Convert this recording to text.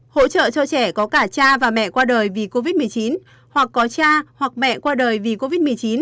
hỗ trợ cho trẻ có cả cha và mẹ qua đời vì covid một mươi chín hoặc có cha hoặc mẹ qua đời vì covid một mươi chín